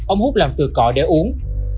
ông hút làm từ cọ để uống